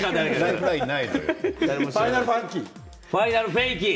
ファイナルファンキー。